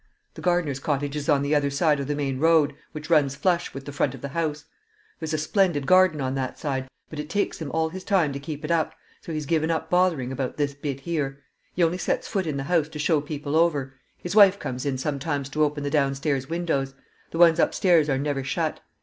The gardener's cottage is on the other side of the main road, which runs flush with the front of the house; there's a splendid garden on that side, but it takes him all his time to keep it up, so he's given up bothering about this bit here. He only sets foot in the house to show people over; his wife comes in sometimes to open the downstairs windows; the ones upstairs are never shut.